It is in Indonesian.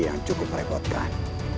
yang cukup merepotkan